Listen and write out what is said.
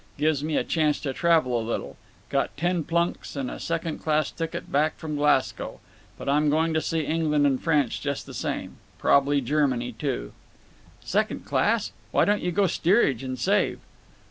Gives me a chance to travel a little. Got ten plunks and a second class ticket back from Glasgow. But I'm going to see England and France just the same. Prob'ly Germany, too." "Second class? Why don't you go steerage, and save?"